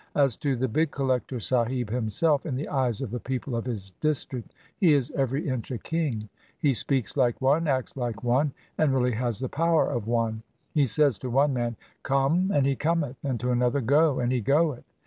As to the big collector sahib himself, in the eyes of the people of his district he is every inch a king. He speaks like one, acts like one, and really has the power of one. He says to one man, "Come," and he cometh, and to another "Go," and he goeth.